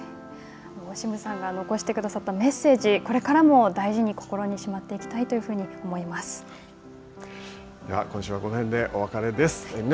オシムさんが残してくださったメッセージこれからも大事に心にしまっていきたいというふうでは、今週はこの辺でお別れです。